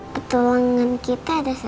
petualangan kita udah selesai